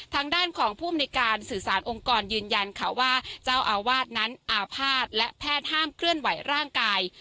ทางด้านของผู้อำนวยการสื่อสารองค์กรยืนยันค่ะว่าเจ้าอาวาสนั้นอาภาษณ์และแพทย์ห้ามเคลื่อนไหวร่างกาย